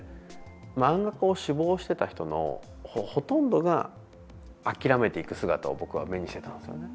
漫画家を志望してた人のほとんどが諦めていく姿を僕は目にしてたんですよね。